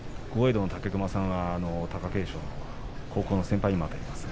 道の武隈さんは貴景勝の高校の先輩にもあたります